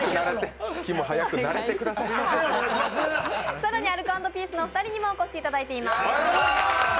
更にアルコ＆ピースのお二人にもお越しいただいています。